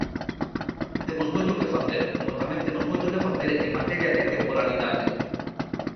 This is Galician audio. Temos moito que facer, como tamén temos moito que facer en materia de temporalidade.